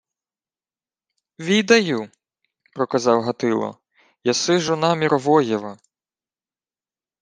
— Відаю, — проказав Гатило. — Єси жона Міровоєва.